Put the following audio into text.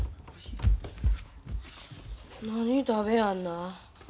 何食べやんな？